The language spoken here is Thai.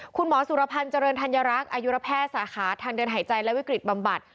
คุณหมอสุรพันธ์เจริญธัญรักษ์อายุระแพทย์สาขาทางเดินหายใจและวิกฤตบำบัด